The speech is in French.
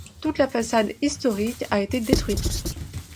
Toute la façade historique a été détruite.